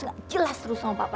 gak jelas terus sama papa